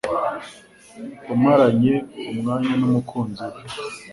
umaranye umwanya n'umukunzi wawe